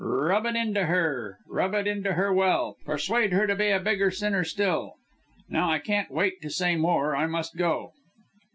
Rub it in to her rub it into her well persuade her to be a bigger sinner still. Now I can't wait to say more, I must go."